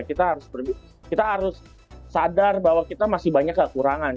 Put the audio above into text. kita harus sadar bahwa kita masih banyak kekurangan